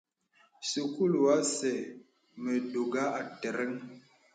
Sūkūlu asə mə dògà àtərəŋ.